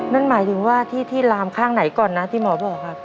นั่นหมายถึงว่าที่ลามข้างไหนก่อนนะที่หมอบอกครับ